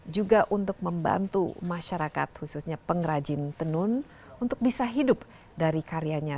juga untuk membantu masyarakat khususnya pengrajin tenun untuk bisa hidup dari karyanya